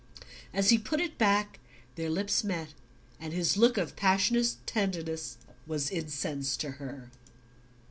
As he put it back their lips met, and his look of passionate tenderness was incense to her.